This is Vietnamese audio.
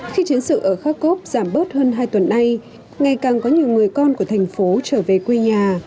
khi chiến sự ở kharkov giảm bớt hơn hai tuần nay ngày càng có nhiều người con của thành phố trở về quê nhà